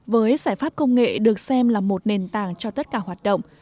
với giải pháp công nghệ được xem là một nền tảng cho tất cả hoạt động